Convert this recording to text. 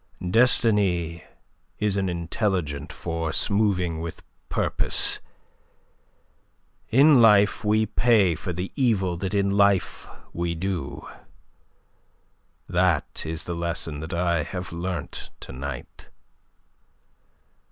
Destiny is an intelligent force, moving with purpose. In life we pay for the evil that in life we do. That is the lesson that I have learnt to night.